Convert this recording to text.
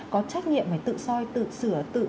có trách nhiệm phải tự soi tự sửa tự